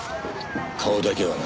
顔だけはな。